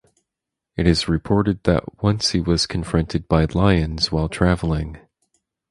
It is reported that once he was confronted by lions while traveling.